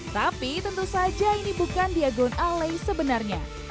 tapi tentu saja ini bukan diagon alay sebenarnya